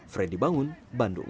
fredy bangun bandung